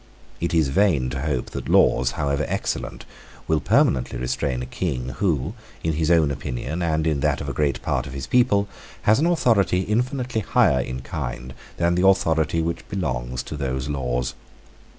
It is vain to hope that laws, however excellent, will permanently restrain a King who, in his own opinion, and in that of a great part of his people, has an authority infinitely higher in kind than the authority which belongs to those laws.